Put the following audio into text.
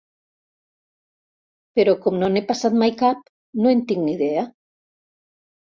Però com que no n'he passat mai cap no en tinc ni idea.